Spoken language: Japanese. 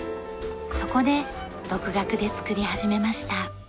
そこで独学で作り始めました。